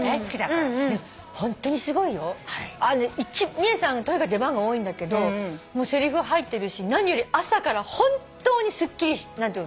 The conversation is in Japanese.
ミエさんとにかく出番が多いんだけどせりふ入ってるし何より朝から本当にすっきり何ていうの？